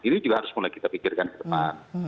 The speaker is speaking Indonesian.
ini juga harus mulai kita pikirkan ke depan